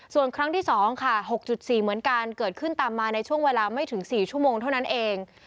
ส่วนครั้งที่๒ค่ะ๖๔เหมือนกันเกิดขึ้นตามมาในช่วงเวลาไม่ถึง๔ชั่วโมงเท่านั้นเอง